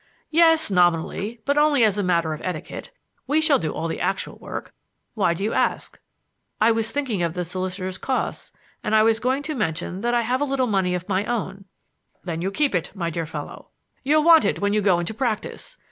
"Yes, nominally; but only as a matter of etiquette. We shall do all the actual work. Why do you ask?" "I was thinking of the solicitor's costs, and I was going to mention that I have a little money of my own " "Then you keep it, my dear fellow. You'll want it when you go into practice.